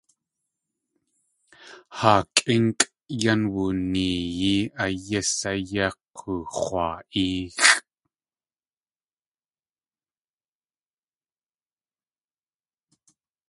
Haa kʼínkʼ yan wuneeyí a yís áyá k̲oox̲waa.éexʼ.